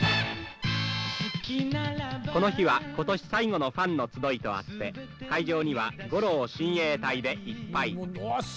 「この日は今年最後のファンの集いとあって会場には五郎親衛隊でいっぱい」。